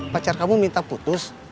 pacar kamu minta putus